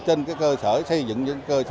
trên cơ sở xây dựng cơ sở du lịch